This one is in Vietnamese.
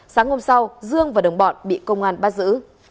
sáng hôm sau dương và đồng bọn bị công an bắt giữ